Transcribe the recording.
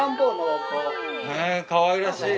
へぇかわいらしい。